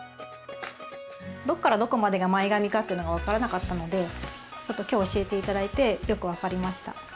どっからどこまでが前髪かってのが分からなかったのできょう教えていただいてよく分かりました。